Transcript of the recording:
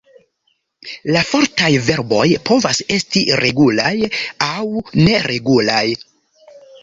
La fortaj verboj povas esti regulaj aŭ neregulaj.